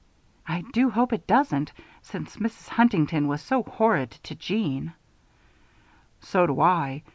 "I do hope it doesn't, since Mrs. Huntington was so horrid to Jeanne." "So do I.